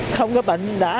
không có bệnh đã mệt rồi